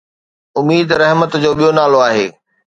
اميد رحمت جو ٻيو نالو آهي